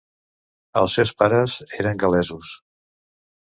Els seus pares eren gal·lesos.